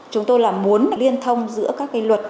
chúng tôi là muốn liên thông giữa các cái luật